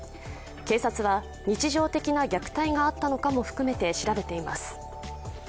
警察は、日常的な虐待があったのかも含めて調べています。